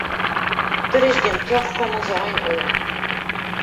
Der is gjin trochkommensein oan.